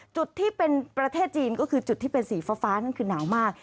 จุดที่เป็นประเทศจีนก็คือจุดที่เป็นสีฟ้านั่นคือหนาวมาก